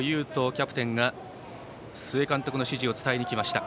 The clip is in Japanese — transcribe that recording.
キャプテンが須江監督の指示を伝えました。